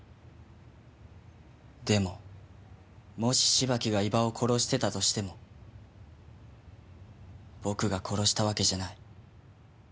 でももし芝木が伊庭を殺してたとしても僕が殺したわけじゃない。